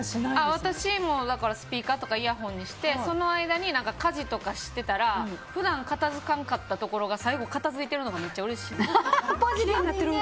私もスピーカーとかイヤホンにしてその間に家事とかしてたら普段、片付かんかったところが最後、片付いてるのがめっちゃうれしい。